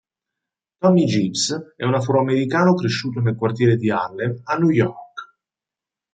Tommy Gibbs è un afroamericano cresciuto nel quartiere di Harlem, a New York.